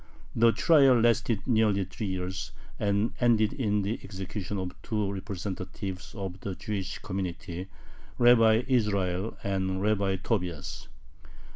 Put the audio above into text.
The trial lasted nearly three years, and ended in the execution of two representatives of the Jewish community, Rabbi Israel and Rabbi Tobias.